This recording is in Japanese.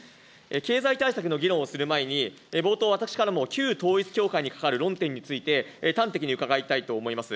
経済対策の議論をする前に、冒頭、私からも旧統一教会に関わる論点について、端的に伺いたいと思います。